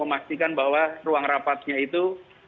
memastikan bahwa ruang rapatnya itu